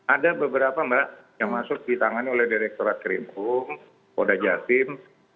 ada beberapa mbak yang masuk ditangani oleh direkturat kerimpung polda jawa timur